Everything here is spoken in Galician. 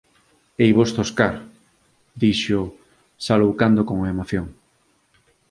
“Heivos zoscar”, dixo, saloucando con emoción.